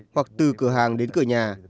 hoặc từ cửa hàng đến cửa nhà